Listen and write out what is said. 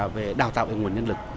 về đào tạo nguồn nhân lực